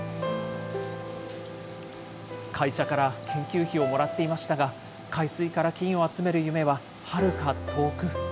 会社から研究費をもらっていましたが、海水から金を集める夢ははるか遠く。